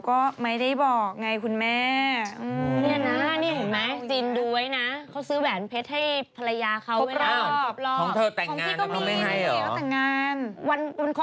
ออกมาบอกพี่จินว่า